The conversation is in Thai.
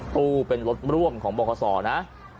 ตู้เป็นรถร่วมของบขนะ